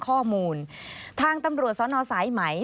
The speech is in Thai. ข้อมูลทางตำรวจสนสายไหม